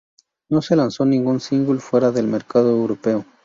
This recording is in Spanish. No se lanzó ningún single fuera del mercado europeo.